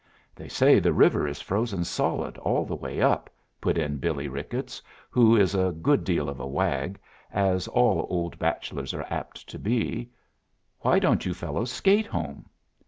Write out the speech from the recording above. "They say the river is frozen solid all the way up," put in Billie Ricketts, who is a good deal of a wag, as all old bachelors are apt to be. "Why don't you fellows skate home?"